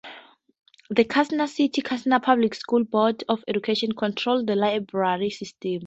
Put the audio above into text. The Kansas City Kansas Public Schools Board of Education controls the library system.